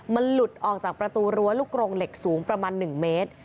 มันหลุดออกจากประตูรั้วลูกกรงเหล็กสูงประมาณ๑เมตร